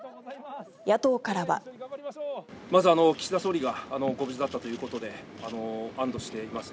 まず、岸田総理がご無事だったということで、安どしています。